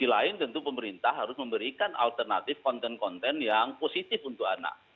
di sisi lain tentu pemerintah harus memberikan alternatif konten konten yang positif untuk anak